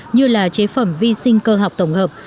như là chế phẩm vi sinh cơ học tổng hợp